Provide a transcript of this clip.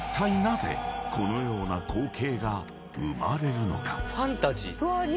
［このような光景が生まれるのか？］